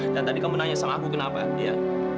dan tadi kamu nanya sama aku kenapa ndre